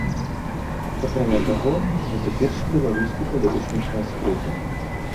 Акрамя таго, гэта першы беларускі падручнік санскрыту.